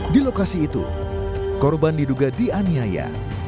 di lokasi itu korban diduga dianiaya